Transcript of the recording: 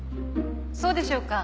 そうでしょうか。